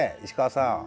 石川さん。